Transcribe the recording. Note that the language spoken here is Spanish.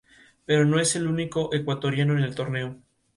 Pero no es el único ecuatoriano en el torneo.